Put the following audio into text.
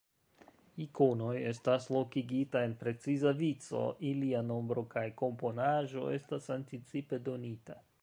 Ikonoj estas lokigitaj en preciza vico, ilia nombro kaj komponaĵo estas anticipe donita.